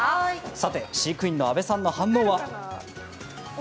さて飼育員の安部さんの反応は？